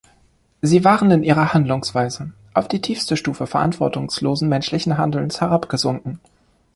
Sie waren in ihrer Handlungsweise auf die tiefste Stufe verantwortungslosen menschlichen Handelns herabgesunken.